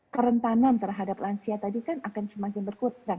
kerentanan terhadap lansia tadi kan akan semakin berkurang